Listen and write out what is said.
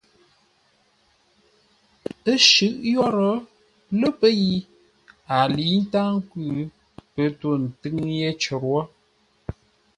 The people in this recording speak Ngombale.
Ə́ shʉ̂ʼ yórə́ lə́ pə́ yi, a lə̌i ntáa nkwʉ́, pə́ tô ńtʉ́ŋ yé cər wó.